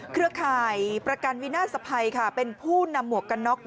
เครือข่ายประกันวินาศภัยเป็นผู้นำหมวกกันน็อก